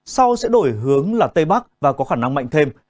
sau sẽ đổi hướng là tây bắc và có khả năng mạnh thêm